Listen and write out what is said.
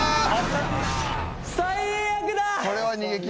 最悪だ！